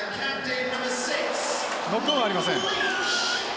ノックオンはありません。